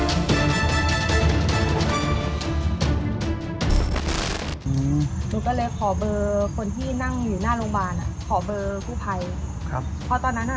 อยู่หน้าโรงพยาบาลอ่ะขอเบอร์ผู้ภัยครับเพราะตอนนั้นอ่ะ